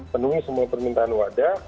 penuhi semua permintaan wadah